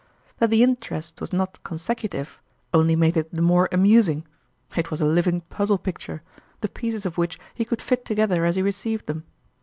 That the interest was not consecutive, only made it the more amusing it was a living puzzle picture, the pieces of which he could fit together as he received them.